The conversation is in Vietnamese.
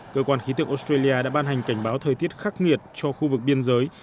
cơ quan khí tượng australia đã ban hành cảnh báo thời tiết khắc nghiệt cho khu vực biên giới